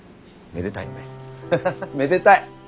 めでたいねハハハめでたい！